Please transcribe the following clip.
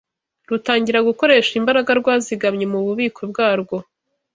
rutangira gukoresha imbaraga rwazigamye mu bubiko bwarwo.